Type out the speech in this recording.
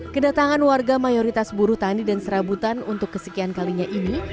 kedatangan warga mayoritas buru tani dan serabutan untuk kesekian kalinya ini